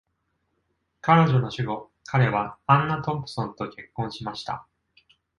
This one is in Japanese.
彼女の死後、彼はアンナ・トンプソンと結婚しました。